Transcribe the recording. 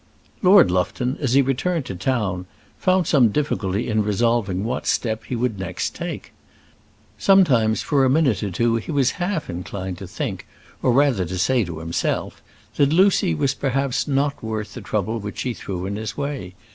Lord Lufton, as he returned to town, found some difficulty in resolving what step he would next take. Sometimes, for a minute or two, he was half inclined to think or rather to say to himself that Lucy was perhaps not worth the trouble which she threw in his way.